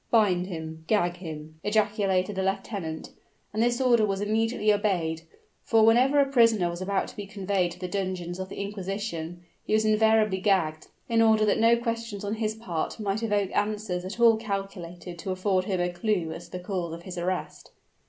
"Bind him, gag him!" ejaculated the lieutenant: and this order was immediately obeyed: for whenever a prisoner was about to be conveyed to the dungeons of the inquisition, he was invariably gagged, in order that no questions on his part might evoke answers at all calculated to afford him a clew to the cause of his arrest.